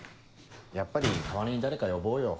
やっぱり代わりに誰か呼ぼうよ。